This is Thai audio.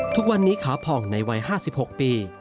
ทุกวันนี้ขาผ่องในวัย๕๖ปี